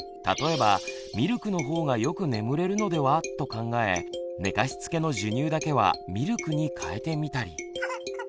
例えばミルクの方がよく眠れるのでは？と考え寝かしつけの授乳だけはミルクにかえてみたり。